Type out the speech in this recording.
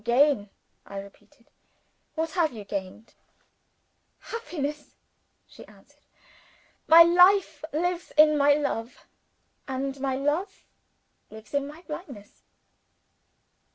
"Your gain?" I repeated. "What have you gained?" "Happiness," she answered. "My life lives in my love. And my love lives in my blindness."